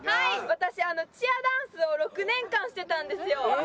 私チアダンスを６年間してたんですよ。